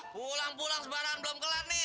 pulang pulang sebarang belum gelar nih